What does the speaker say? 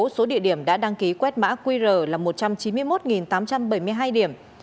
số địa điểm đã đăng ký quét mã qr là một trăm chín mươi một tám trăm bảy mươi hai điểm